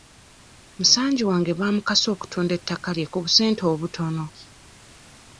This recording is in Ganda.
Musanji wange baamukase okutunda ettaka lye ku busente obutono.